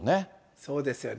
そうですよね。